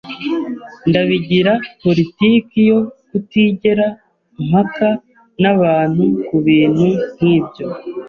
Ndabigira politiki yo kutigera mpaka n'abantu kubintu nkibyo.